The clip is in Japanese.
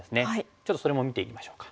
ちょっとそれも見ていきましょうか。